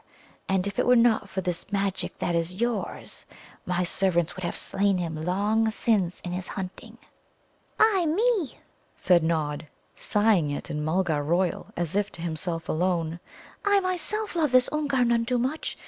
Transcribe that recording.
And if it were not for this magic that is yours, my servants would have slain him long since in his hunting." "Ah, me!" said Nod, sighing it in Mulgar royal, as if to himself alone, "I myself love this Oomgar none too much.